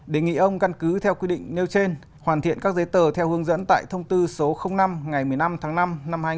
đề nghị ông căn cứ theo quy định nêu trên hoàn thiện các giấy tờ theo hướng dẫn tại thông tư số năm ngày một mươi năm tháng năm năm hai nghìn một mươi